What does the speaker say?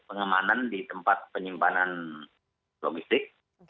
pengamanan di tempat penyimpanan logistik